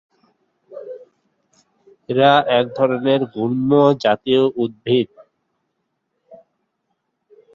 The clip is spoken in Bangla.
এরা এক ধরনের গুল্ম-জাতীয় উদ্ভিদ।